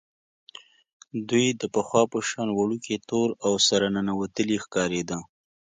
دی د پخوا په شان وړوکی، تور او سره ننوتلی ښکارېده.